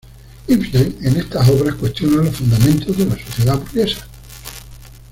Ibsen en estas obras cuestiona los fundamentos de la sociedad burguesa.